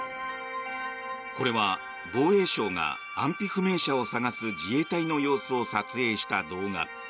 これは防衛省が安否不明者を捜す自衛隊の様子を撮影した動画。